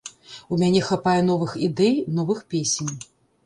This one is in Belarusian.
У мяне хапае новых ідэй, новых песень.